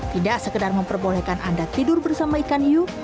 tidak sekedar memperbolehkan anda tidur bersama ikan hiu